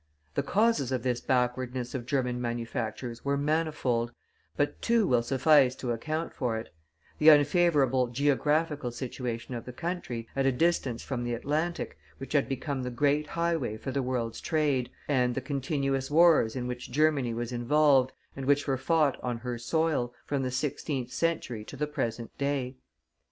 The causes of this backwardness of German manufactures were manifold, but two will suffice to account for it: the unfavorable geographical situation of the country, at a distance from the Atlantic, which had become the great highway for the world's trade, and the continuous wars in which Germany was involved, and which were fought on her soil, from the sixteenth century to the present day.